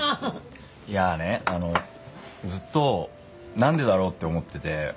いやねあのずっとなんでだろうって思ってて。